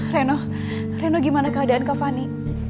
reno reno gimana keadaan kak fani